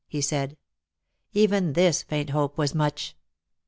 he said. " Even this faint hope was much.